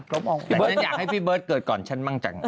แต่ฉันอยากให้พี่เบิร์ทเกิดก่อน